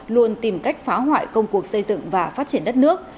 luôn tìm cách phá hoại công cuộc xây dựng và phát triển đất nước